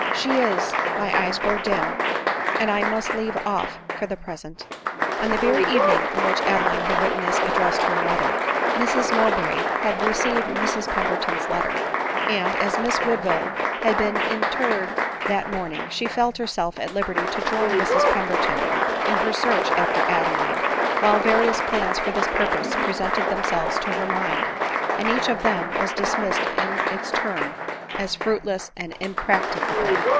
She is — my eyes grow dim, and I must leave off for the present." On the very evening in which Adeline had written this address to her mother, Mrs Mowbray had received Mrs Pemberton's letter ; and as Miss Woodville had been in terred that morning, she felt herself at liberty to join Mrs Pemberton in her search after Adeline, while vari ous plans for this purpose presented themselves to her mind, and each of them was dismissed in its turn as fruitless or impracticable.